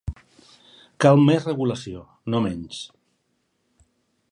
Cal més regulació, no menys.